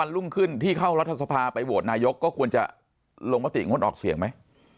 ลงประติกงดออกเสียงไหม